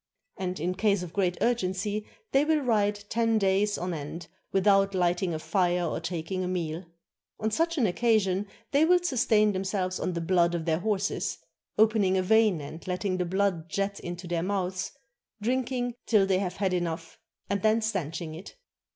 And in case of great urgency they will ride ten days on end without lighting a fire or taking a meal. On such an occasion they will sustain themselves on the blood of their horses, opening a vein and letting the blood jet into their mouths, drinking till they have had enough, and then stanching it.